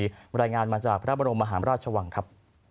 รายงานมาจากพระบรมมหาราชวังครับ